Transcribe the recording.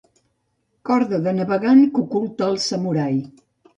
Corda de navegant que oculta el samurai.